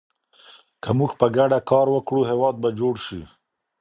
که موږ په ګډه کار وکړو، هېواد به جوړ شي.